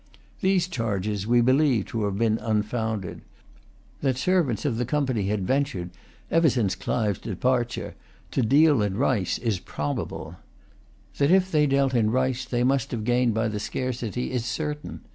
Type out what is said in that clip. These charges we believe to have been unfounded. That servants of the Company had ventured, since Clive's departure, to deal in rice, is probable. That, if they dealt in rice, they must have gained by the scarcity, is certain.